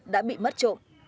đã bị mất trộm